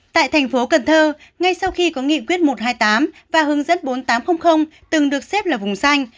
tại thành phố cần thơ ngay sau khi có nghị quyết một trăm hai mươi tám và hướng dẫn bốn nghìn tám trăm linh từng được xếp là vùng xanh